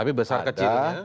tapi besar kecil ya